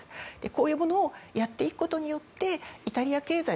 こういうものをやっていくことによってイタリア経済。